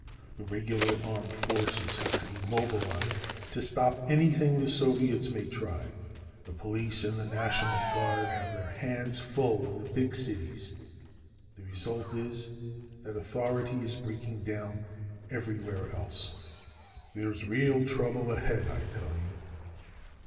"The regular armed forces have to be mobilized to stop anything the Soviets may try. The police and the National Guard have their hands full in the big cities. The result is, that authority is breaking down everywhere else. There's real trouble ahead, I tell you."